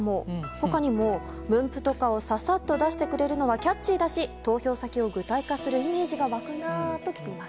他にも分布とかをササッと出してくれるのはキャッチーだし投票先を具体化するイメージが湧くなあときています。